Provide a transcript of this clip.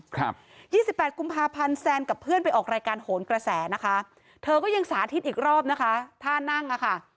ยี่สิบแปดกุมภาพันธ์แซนกับเพื่อนไปออกรายการโหนกระแสนะคะเธอก็ยังสาธิตอีกรอบนะคะท่านั่งอ่ะค่ะ